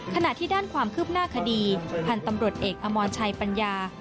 ขณะที่ด้านความคืบหน้าคดีพันธ์ตำรวจเอกอมรชัยปัญญา